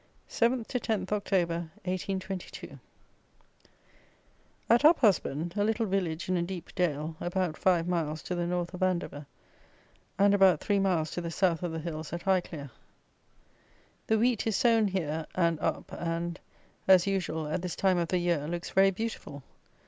7th to 10th Oct. 1822. At Uphusband, a little village in a deep dale, about five miles to the North of Andover, and about three miles to the South of the Hills at Highclere. The wheat is sown here, and up, and, as usual, at this time of the year, looks very beautiful.